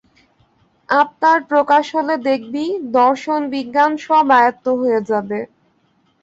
আত্মার প্রকাশ হলে দেখবি, দর্শন বিজ্ঞান সব আয়ত্ত হয়ে যাবে।